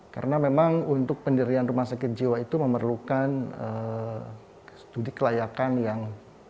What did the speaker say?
karena memang untuk pendirian rumah sakit jiwa itu memerlukan studi kelayakan yang